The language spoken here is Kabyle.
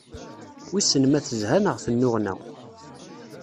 Wissen ma tezha, neɣ tennuɣna.